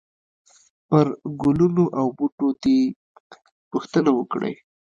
پرګلونو او پر بوټو دي، پوښتنه وکړئ !!!